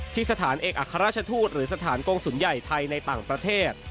สถานเอกอัครราชทูตหรือสถานกงศูนย์ใหญ่ไทยในต่างประเทศ